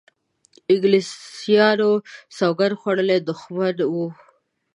انګلیسیانو سوګند خوړولی دښمن وو.